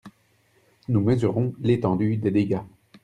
Nous mesurons l’étendue des dégâts.